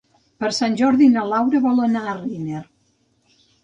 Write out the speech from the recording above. Per Sant Jordi na Laura vol anar a Riner.